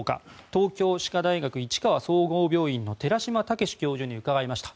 東京歯科大学市川総合病院の寺嶋毅教授に伺いました。